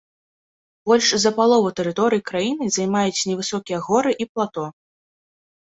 Больш за палову тэрыторыі краіны займаюць невысокія горы і плато.